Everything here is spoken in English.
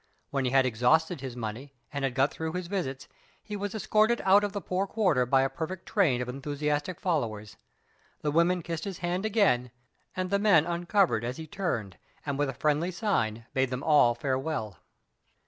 When he had exhausted his money, and had got through his visits, he was escorted out of the poor quarter by a perfect train of enthusiastic followers. The women kissed his hand again, and the men uncovered as he turned, and, with a friendly sign, bade them all farewell.